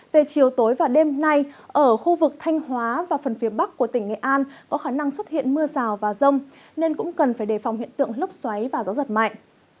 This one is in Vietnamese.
về chiều tối và đêm nay ở khu vực thanh hóa và phần phía bắc của tỉnh nghệ an có khả năng xuất hiện mưa rào và rông nên cũng cần phải đề phòng hiện tượng lốc xoáy và gió giật mạnh